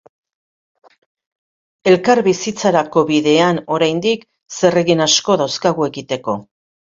Elkarbizitzarako bidean, oraindik, zeregin asko dauzkagu egiteko.